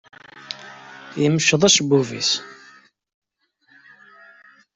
Yemceḍ acebbub-is.